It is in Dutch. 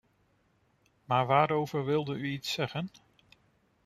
Maar waarover wilde u iets zeggen?